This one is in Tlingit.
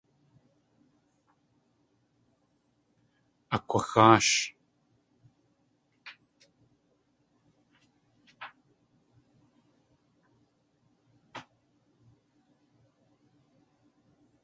Akg̲waxáash.